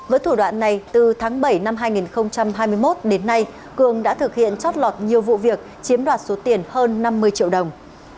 với thủ đoạn này từ tháng bảy năm hai nghìn hai mươi một đến nay cường đã thực hiện chót lọt nhiều vụ việc chiếm đoạt số tiền hơn năm mươi triệu đồng